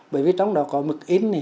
bởi vì trong đó có mực ít này